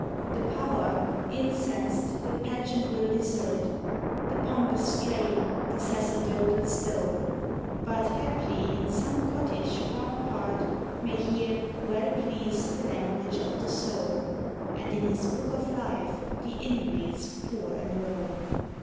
The Power, incensed, the pageant will desert, The pompous strain, the sacerdotal stole; But, haply, in some cottage far apart, May hear, well pleased, the language of the soul; And in his Book of Life the inmates poor enroll.